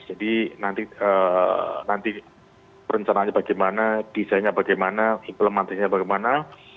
jadi nanti perencanaannya bagaimana desainnya bagaimana implementasinya bagaimana